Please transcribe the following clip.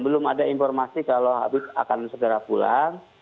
belum ada informasi kalau habis akan segera pulang